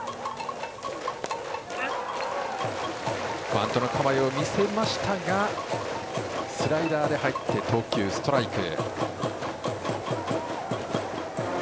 バントの構えを見せましたがスライダーで入って投球、ストライク。